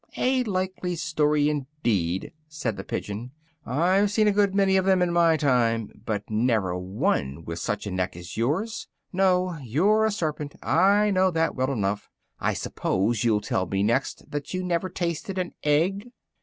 "A likely story indeed!" said the pigeon, "I've seen a good many of them in my time, but never one with such a neck as yours! No, you're a serpent, I know that well enough! I suppose you'll tell me next that you never tasted an egg!"